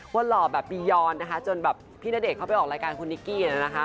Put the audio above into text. หล่อแบบบียอนนะคะจนแบบพี่ณเดชนเข้าไปออกรายการคุณนิกกี้นะคะ